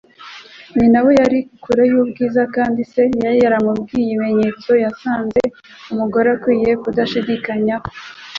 Nyina we yari kure yubwiza, kandi se yari yaramubwiye ibimenyetso yasanze umugore ukwiye bidashidikanywaho.